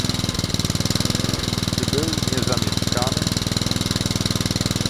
"„Czy był niezamieszkany?"